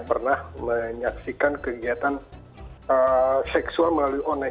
pernah menyaksikan kegiatan seksual melalui online